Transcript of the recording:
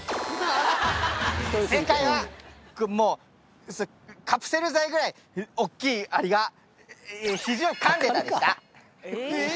正解はもうカプセル剤ぐらい大っきいアリが肘をかんでたでした！